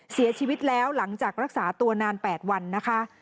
เสียชีวิตแล้วหลังจากรักษาตัวนาน๘วันนะคะ